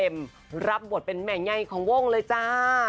มาเป็นแม่ไนของวงเลยจ้า